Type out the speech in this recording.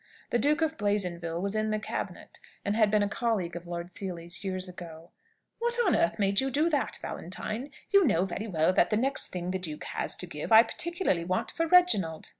The Duke of Blazonville was in the cabinet, and had been a colleague of Lord Seely's years ago. "What on earth made you do that, Valentine? You know very well that the next thing the duke has to give I particularly want for Reginald."